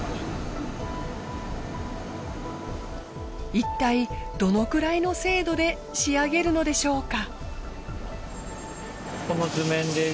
いったいどのくらいの精度で仕上げるのでしょうか。